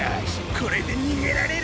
これでにげられる！